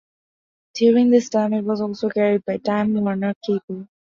During this time, it was also carried by Time Warner Cable.